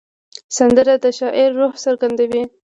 سندره د شاعر روح څرګندوي